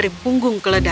kami akan menjualnya